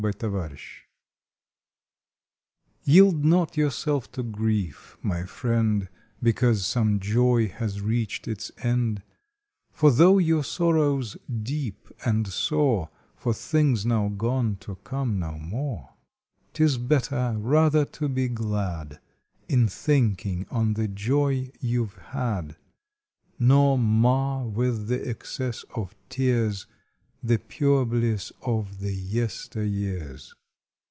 YIELD NOT \/IELD not yourself to grief, my friend, Because some joy has reached its end, For though your sorrow s deep and sore For things now gone to come no more, Tis better rather to be glad, In thinking on the joy you ve had, Nor mar with the excess of tears The pure bliss of the yesteryears.